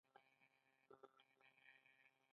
سرې مڼې د صادرولو لپاره غوره دي.